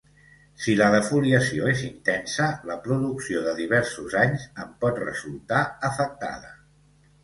Si la defoliació és intensa, la producció de diversos anys en pot resultar afectada.